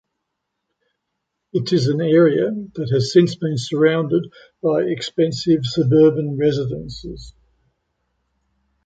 It is an area that has since been surrounded by expensive suburban residences.